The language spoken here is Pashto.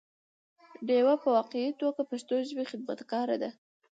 ډيوه په واقعي توګه د پښتو ژبې خدمتګاره ده